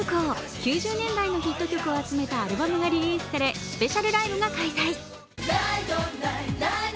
９０年代のヒット曲を集めたアルバムがリリースされスペシャルライブが開催。